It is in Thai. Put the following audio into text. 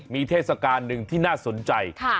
มีเทศกาลหนึ่งที่น่าสนใจ